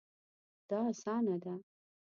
دا اسانه ده